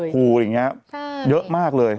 ตกผูอิงงงั้นเยอะมากเลย